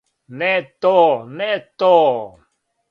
Не то, не то!